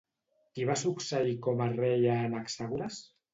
Qui va succeir com a rei a Anaxàgoras?